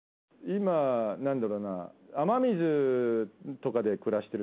今何だろうな。